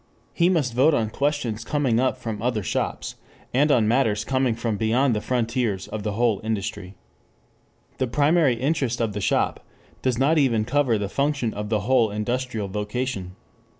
He must vote on questions coming up from other shops, and on matters coming from beyond the frontiers of the whole industry. The primary interest of the shop does not even cover the function of a whole industrial vocation.